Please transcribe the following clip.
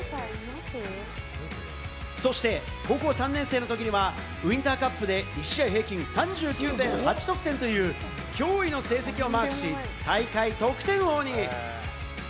そして高校３年生のときには、ウインターカップで１試合平均３９．８得点という驚異の成績をマークし、大会得点王に。